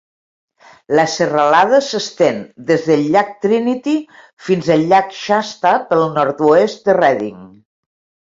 La serralada s'estén des del llac Trinity fins al llac Shasta, pel nord-oest de Redding.